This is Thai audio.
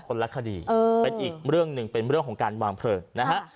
ละคดีเป็นอีกเรื่องหนึ่งเป็นเรื่องของการวางเพลิงนะฮะ